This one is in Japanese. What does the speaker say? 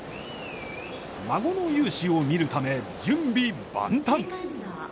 孫の雄姿を見るため、準備万端！